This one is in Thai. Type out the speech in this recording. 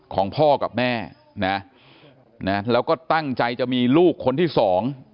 ของพ่อกับแม่นะนะแล้วก็ตั้งใจจะมีลูกคนที่สอง